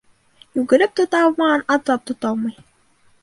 Йүгереп тота алмаған атлап тота алмай.